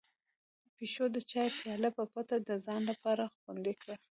پيشو د چای پياله په پټه د ځان لپاره خوندي کړه.